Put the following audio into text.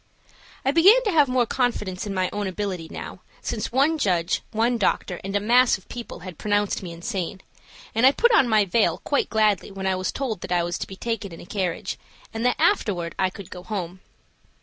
I began to have more confidence in my own ability now, since one judge, one doctor, and a mass of people had pronounced me insane, and I put on my veil quite gladly when I was told that I was to be taken in a carriage, and that afterward I could go home.